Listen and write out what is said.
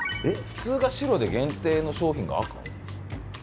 普通が白で限定の商品が赤？